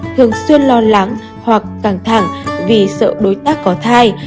thường xuyên lo lắng hoặc căng thẳng vì sợ đối tác có thai